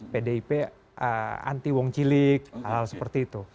pdip anti wong cilik hal hal seperti itu